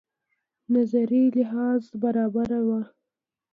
نظري لحاظ برابره وه.